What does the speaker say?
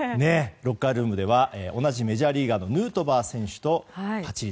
ロッカールームでは同じメジャーリーガーのヌートバー選手とパチリ。